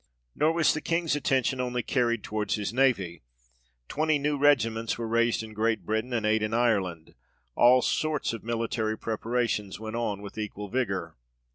Nor was the King's attention only carried towards his navy ; twenty new regiments were raised in Great Britain, and eight in Ireland. All sorts of military preparations went on with equal vigour.